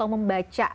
apa yang anda inginkan